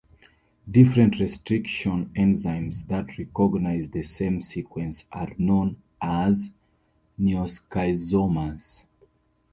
Different restriction enzymes that recognize the same sequence are known as neoschizomers.